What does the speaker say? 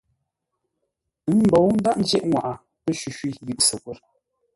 Ə́ mbǒu ndághʼ ńjyeʼ ŋwaʼa pə́ shwi-shwî yʉ Səkwə̂r.